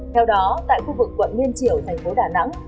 theo đó tại khu vực quận liên triều thành phố đà nẵng